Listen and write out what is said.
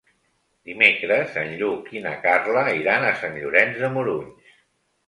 Dimecres en Lluc i na Carla iran a Sant Llorenç de Morunys.